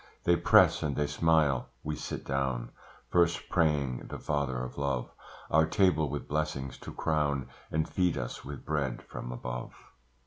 They press, and they smile: we sit down; First praying the Father of Love Our table with blessings to crown, And feed us with bread from above.